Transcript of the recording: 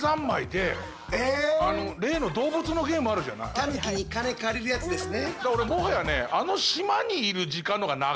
タヌキに金借りるやつですね。